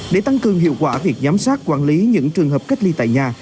để tăng cường hiệu quả việc giám sát quản lý những trường hợp cách ly tại nhà